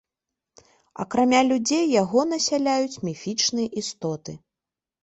Акрамя людзей яго насяляюць міфічныя істоты.